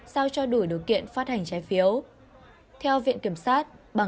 sao cho đủ điều kiện phát hành trái phiếu